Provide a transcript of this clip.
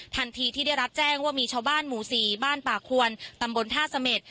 ทันทีที่ได้รับแจ้งว่ามีชาวบ้านหมู่๔บ้านป่าควรตำบลท่าเสม็ด